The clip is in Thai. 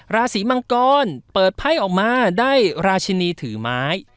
ราศีมังกรเปิดไพ่ออกมาได้ราชินีถือไม้